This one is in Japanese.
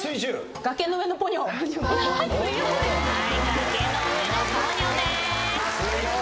『崖の上のポニョ』お見事！